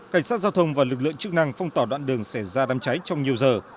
cảnh sát giao thông và lực lượng chức năng phong tỏ đoạn đường sẽ ra đâm cháy trong nhiều giờ